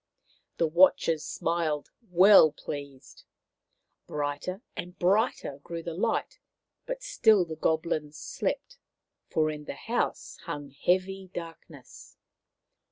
The watchers smiled, well pleased. Brighter and brighter grew the light, but still the Goblins slept, for in the house hung heavy darkness.